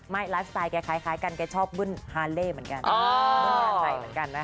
ไม่ไลฟ์สไตล์แกคล้ายกันแกชอบบึ้นฮาเล่เหมือนกัน